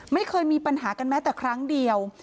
ไม่เคยมีปัญหากันแม้แต่ครั้งเดียว